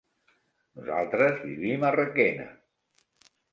Nosaltres vivim a Requena.